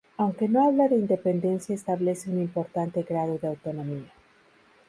Aunque no habla de independencia establece un importante grado de autonomía.